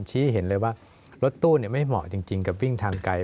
เห็นเลยว่ารถตู้ไม่เหมาะจริงกับวิ่งทางไกล